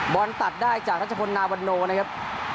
บอลตัดได้จากรัชพลนาวันโนนะครับ